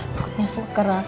perutnya suka keras